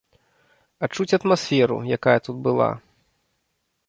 Адчуць атмасферу, якая тут была.